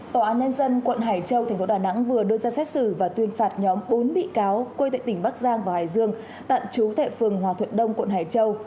tòa án nhân dân quận hải châu tp đà nẵng vừa đưa ra xét xử và tuyên phạt nhóm bốn bị cáo quê tại tỉnh bắc giang và hải dương tạm trú tại phường hòa thuận đông quận hải châu